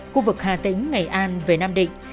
khu vực hà tĩnh ngày an về nam định